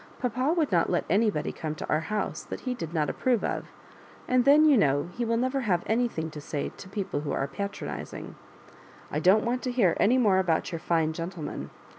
" Papa would not let any body come to our house that he did not approve of; and then, you know, he will never have any thing to say to people who are patronising. I don't want to hear any more about your fine gen tleman.